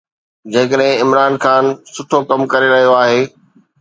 جيڪڏهن عمران خان سٺو ڪم ڪري رهيو آهي.